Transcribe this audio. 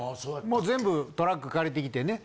もう全部トラック借りてきてね。